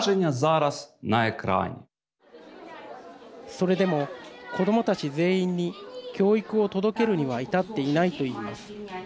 それでも子どもたち全員に教育を届けるには至っていないと言います。